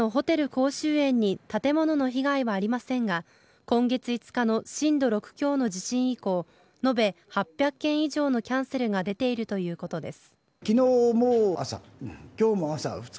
こうしゅうえんに建物の被害はありませんが今月５日の震度６強の地震以降延べ８００件以上のキャンセルが出ているということです。